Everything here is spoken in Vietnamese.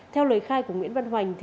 theo lời khai của nguyễn văn hoành